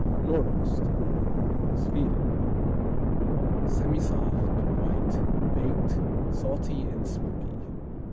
Nordost Sweden Semisoft; white; baked; salty and smoky.